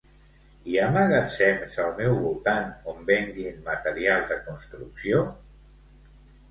Hi ha magatzems al meu voltant on venguin material de construcció?